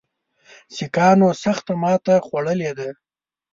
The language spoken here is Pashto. سیکهانو سخته ماته خوړلې ده.